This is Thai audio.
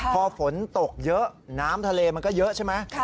พอฝนตกเยอะน้ำทะเลมันก็เยอะใช่ไหม